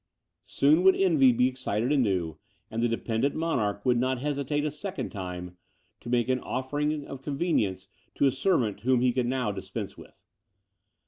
Soon would envy be excited anew, and the dependent monarch would not hesitate, a second time, to make an offering of convenience to a servant whom he could now dispense with.